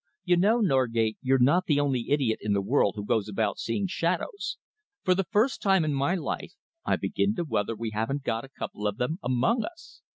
You know, Norgate, you're not the only idiot in the world who goes about seeing shadows. For the first time in my life I begin to wonder whether we haven't got a couple of them among us.